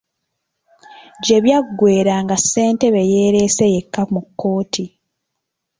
Gye byaggweera nga Ssentebe yeereese yekka mu kkooti.